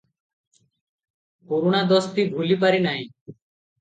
ପୁରୁଣା ଦୋସ୍ତି ଭୁଲି ପାରି ନାହିଁ ।